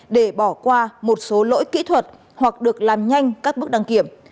để bỏ qua một số lỗi kỹ thuật hoặc được làm nhanh các bước đăng kiểm